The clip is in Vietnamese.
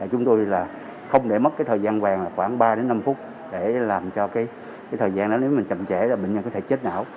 chúng tôi không để mất thời gian vàng khoảng ba năm phút để làm cho thời gian đó nếu mình chậm trễ là bệnh nhân có thể chết não